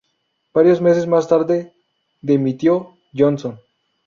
Varios meses más tarde dimitió Johnson.